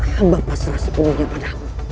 hamba pasrah sepenuhnya padamu